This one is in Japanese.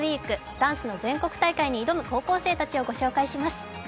ダンスの全国大会に挑む高校生たちをご紹介します。